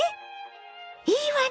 いいわね